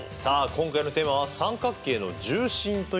今回のテーマは「三角形の重心」ということですね。